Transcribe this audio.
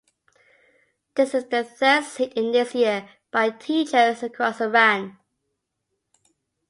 This is the third sit in this year by teachers across Iran.